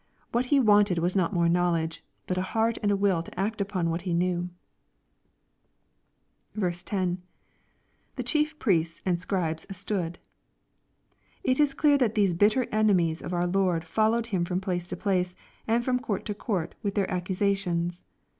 What he wanted was nut more knowledge, but a heart and a will to act upon what he knew. 10. — [The chief priests and scribes stood.] It is clear that these bitter enemies of our Lord followed Him from place to place, and from court to couit with their accusations.